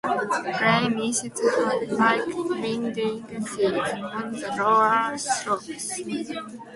Grey mists hung like winding-sheets on the lower slopes.